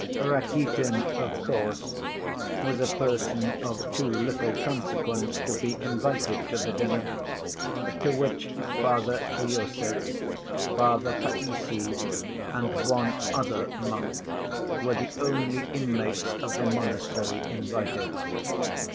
Rakitin, of course, was a person of too little consequence to be invited to the dinner, to which Father Iosif, Father Païssy, and one other monk were the only inmates of the monastery invited.